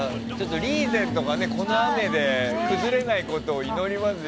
リーゼントが、この雨で崩れないことを祈りますよ。